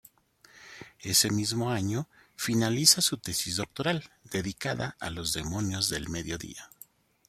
Ese mismo año, finaliza su tesis doctoral, dedicada a los demonios del mediodía.